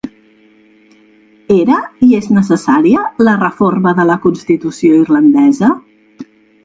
Era i és necessària, la reforma de la constitució irlandesa?